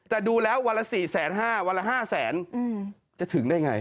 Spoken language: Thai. แต่ดูแล้ววันละ๔๕๐๐วันละ๕แสนจะถึงได้ไง